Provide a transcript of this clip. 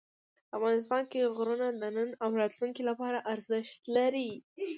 افغانستان کې غرونه د نن او راتلونکي لپاره ارزښت لري.